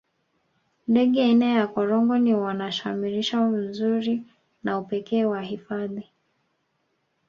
ndege aina ya korongo ni wanashamirisha uzuri na upekee wa hifadhi